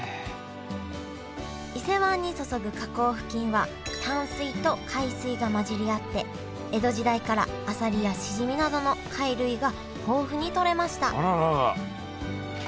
伊勢湾に注ぐ河口付近は淡水と海水が混じり合って江戸時代からあさりやしじみなどの貝類が豊富にとれました